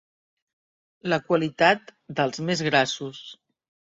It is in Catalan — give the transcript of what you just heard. La qualitat dels més grassos.